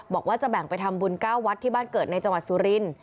บอกว่าจะแบ่งไปทำบุญ๙วัดที่บ้านเกิดในจังหวัดสุรินทร์